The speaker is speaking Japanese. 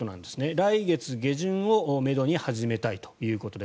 来月下旬をめどに始めたいということです。